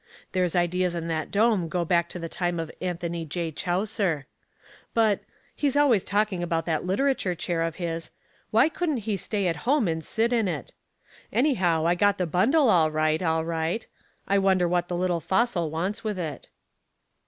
There's ideas in that dome go back to the time of Anthony J. Chaucer. But he's always talking about that literature chair of his why couldn't he stay at home and sit in it? Anyhow, I got the bundle all right, all right. I wonder what the little fossil wants with it."